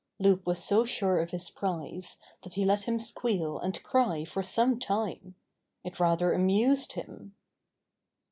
Loup was so sure of his prize that he let him squeal and cry for some time. It rather amused him.